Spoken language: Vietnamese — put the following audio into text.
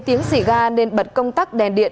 tiếng xỉ ga nên bật công tắc đèn điện